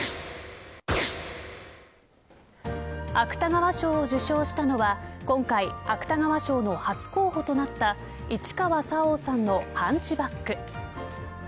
芥川賞を受賞したのは今回、芥川賞の初候補となった市川沙央さんのハンチバック。